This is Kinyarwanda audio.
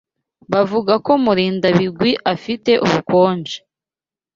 Bavuga ko Murindabigwi afite ubukonje.